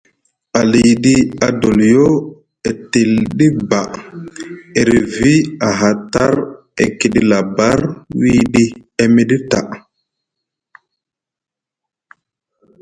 Aliɗi adoliyo e tilɗi ba e rivi aha tar e kiɗi labar wiɗi emiɗi taa.